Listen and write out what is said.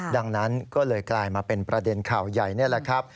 ดังนั้นก็เลยกลายมาเป็นประเด็นข่าวใหญ่นี่แหละครับ